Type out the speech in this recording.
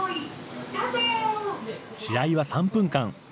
試合は３分間。